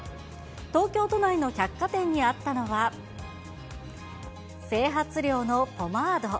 東京都内の百貨店にあったのは、整髪料のポマード。